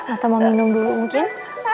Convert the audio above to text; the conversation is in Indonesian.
atau mau minum dulu mungkin